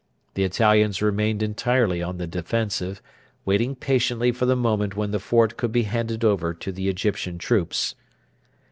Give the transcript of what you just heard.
The Italians remained entirely on the defensive, waiting patiently for the moment when the fort could be handed over to the Egyptian troops.